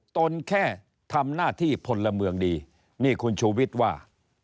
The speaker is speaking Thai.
ตนแค่ทำหน้าที่พลเมืองดีนี่คุณชูวิทย์ว่า